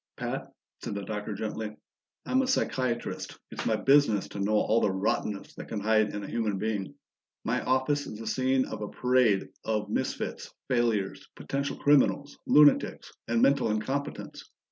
"Pat," said the Doctor gently, "I'm a psychiatrist; it's my business to know all the rottenness that can hide in a human being. My office is the scene of a parade of misfits, failures, potential criminals, lunatics, and mental incompetents.